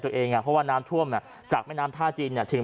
ตัวเองอ่ะเพราะว่าน้ำท่วมน่ะจากแม่น้ำท่าจีนเนี่ยถึง